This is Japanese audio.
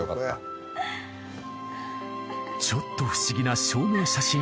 ちょっと不思議な証明写真